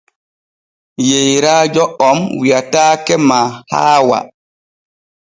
Yeyrajo om wiataake ma haawa.